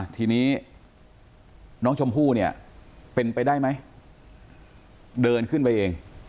ทีนี้น้องชมพู่เนี่ยเป็นไปได้ไหมเดินขึ้นไปเอง